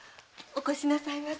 おこしなさいませ。